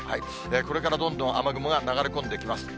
これからどんどん雨雲が流れ込んできます。